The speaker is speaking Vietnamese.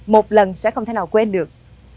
một lần sẽ không thể nào quên được